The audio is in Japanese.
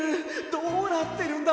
どうなってるんだ！？